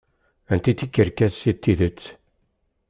Anti tikerkas i d tidet?